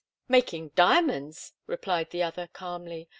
"Making diamonds," replied the other, calmly.